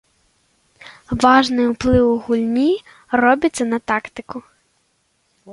Важны ўплыў у гульні робіцца на тактыку.